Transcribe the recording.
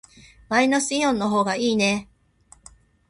マイナスイオンの方がいいね。